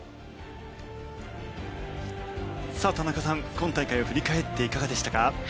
田中さん、今大会を振り返っていかがでしたか？